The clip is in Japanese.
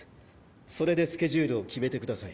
それでスケジュールを決めてください。